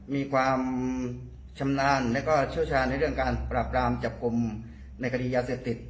มีความชำนาญและก็เชี่ยวชาญในเรื่องการปราบรามจับกลุ่มในคดียาเสพติด